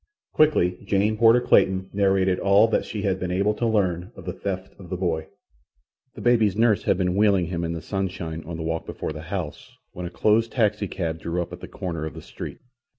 Quickly Jane Porter Clayton narrated all that she had been able to learn of the theft of the boy. The baby's nurse had been wheeling him in the sunshine on the walk before the house when a closed taxicab drew up at the corner of the street.